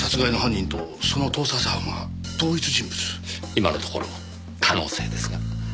今のところ可能性ですが。